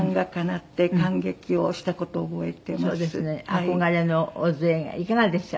憧れの小津映画いかがでした？